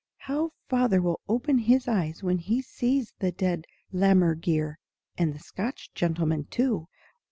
How father will open his eyes when he sees the dead Lämmergeier and the Scotch gentleman too!"